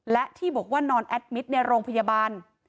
และที่บอกว่านอนแอดมิตรในโรงพยาบาล